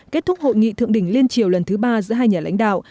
kết thúc hội nghị thượng đỉnh liên triều lần thứ ba giữa hai nhà lãnh đạo